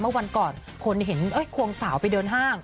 เมื่อวันก่อนคนเห็นควงสาวไปเดินห้าง